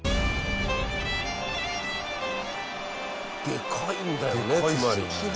でかいんだよね。